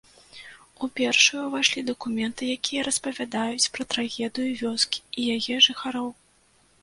У першую ўвайшлі дакументы, якія распавядаюць пра трагедыю вёскі і яе жыхароў.